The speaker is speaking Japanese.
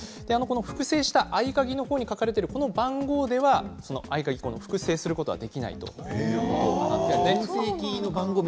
複製した合鍵の方に書かれているこの番号では合鍵を複製することができないということです。